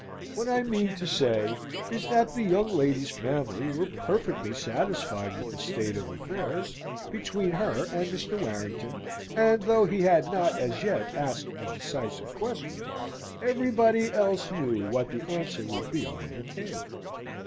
What I mean to say is, that the young lady's family were perfectly satisfied with the state of affairs between her and Mr. Warrington; and though he had not as yet asked the decisive question, everybody else knew what the answer would be when it came.